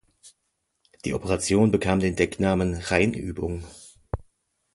Die Operation bekam den Decknamen Rheinübung.